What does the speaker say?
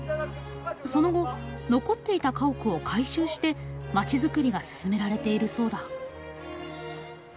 その後残っていた家屋を改修して街づくりが進められているそうだ。